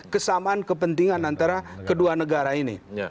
kesamaan kepentingan antara kedua negara ini